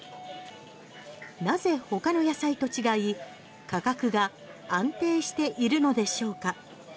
なぜ、ほかの野菜と違い価格が安定しているのでしょうか？